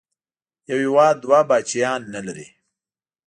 یو هېواد دوه پاچاهان نه لري.